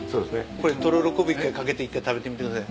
これとろろ昆布掛けて一回食べてみてください。